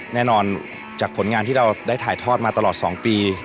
แน่นอนจากผลงานที่เราได้ถ่ายทอดมาตลอด๒ปี